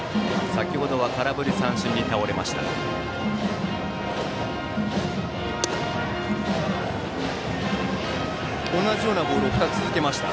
先程は空振り三振に倒れました。